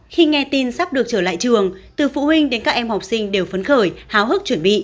khi nghe tin sắp được trở lại trường từ phụ huynh đến các em học sinh đều phấn khởi háo hức chuẩn bị